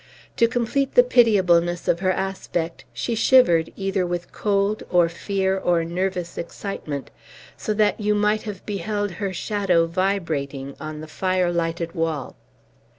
To complete the pitiableness of her aspect, she shivered either with cold, or fear, or nervous excitement, so that you might have beheld her shadow vibrating on the fire lighted wall.